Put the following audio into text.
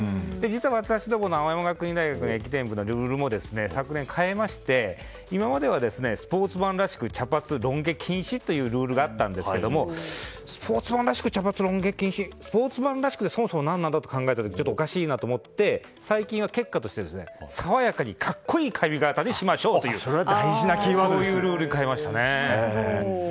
私どもの青山学院大学の駅伝部のルールも昨年、変えまして今まではスポーツマンらしく茶髪、ロン毛禁止というルールがあったんですがスポーツマンらしく茶髪のロン毛禁止スポーツマンらしくって一体なんなの？と考えておかしいなと思って最近は結果として爽やかに格好いい髪形にしましょうというルールに変えましたね。